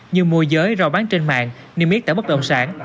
như mua giới rau bán trên mạng niêm yết tải bất động sản